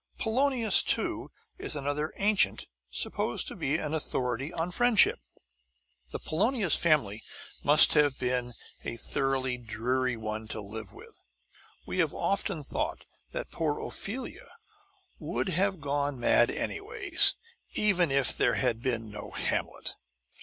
Polonius, too, is another ancient supposed to be an authority on friendship. The Polonius family must have been a thoroughly dreary one to live with; we have often thought that poor Ophelia would have gone mad anyway, even if there had been no Hamlet.